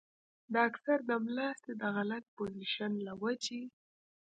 دا اکثر د ملاستې د غلط پوزيشن له وجې